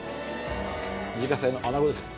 自家製の穴子ですね。